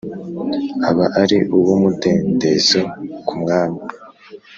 aba ari uw umudendezo ku Mwami